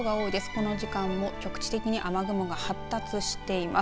この時間も局地的に雨雲が発達しています。